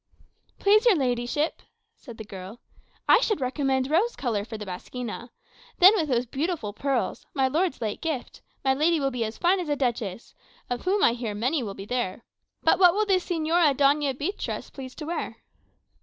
"Please your ladyship," said the girl, "I should recommend rose colour for the basquina. Then, with those beautiful pearls, my lord's late gift, my lady will be as fine as a duchess; of whom, I hear, many will be there. But what will Señora Doña Beatriz please to wear?"